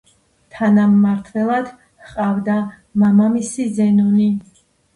თანამმართველად ჰყავდა მამამისი ზენონი.